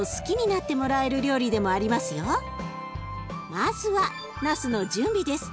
まずはなすの準備です。